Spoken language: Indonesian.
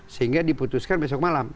sehingga diputuskan besok malam